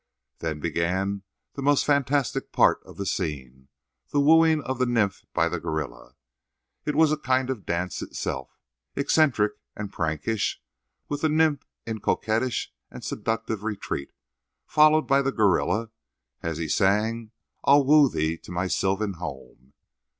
Then began the most fantastic part of the scene—the wooing of the nymph by the gorilla. It was a kind of dance itself—eccentric and prankish, with the nymph in coquettish and seductive retreat, followed by the gorilla as he sang "I'll Woo Thee to My Sylvan Home."